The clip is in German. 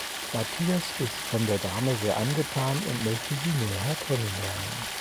Matthias ist von der Dame sehr angetan und möchte sie näher kennen lernen.